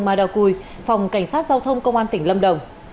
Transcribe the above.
ma đào cùi phòng cảnh sát giao thông công an tỉnh lâm đồng